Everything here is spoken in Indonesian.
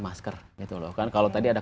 masker kalau tadi ada